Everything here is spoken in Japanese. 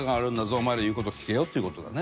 お前ら、言う事聞けよっていう事だね。